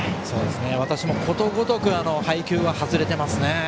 私もことごとく配球が外れていますね。